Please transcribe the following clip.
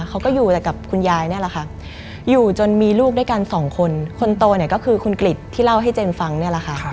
เขาก็อยู่แต่กับคุณยายนี่แหละค่ะอยู่จนมีลูกด้วยกันสองคนคนโตเนี่ยก็คือคุณกริจที่เล่าให้เจนฟังเนี่ยแหละค่ะ